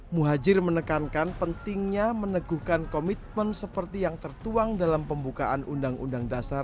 muhajir menekankan pentingnya meneguhkan komitmen seperti yang tertuang dalam pembukaan undang undang dasar seribu sembilan ratus empat puluh lima